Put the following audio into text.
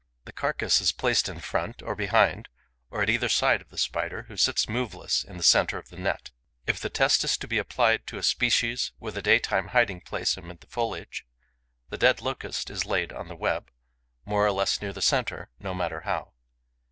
The carcass is placed in front, or behind, or at either side of the Spider, who sits moveless in the centre of the net. If the test is to be applied to a species with a daytime hiding place amid the foliage, the dead Locust is laid on the web, more or less near the centre, no matter how.